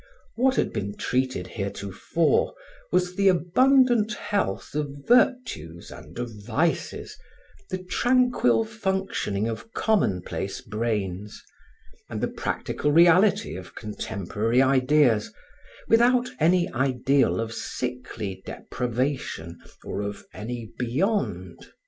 What had been treated heretofore was the abundant health of virtues and of vices, the tranquil functioning of commonplace brains, and the practical reality of contemporary ideas, without any ideal of sickly depravation or of any beyond.